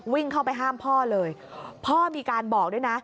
วิ่งเข้าไปห้ามพ่อเลยพ่อมีการบอกด้วยนะ